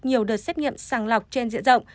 nhiều đợt xét nghiệm sáng lọc trên diện rộng